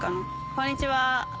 こんにちは。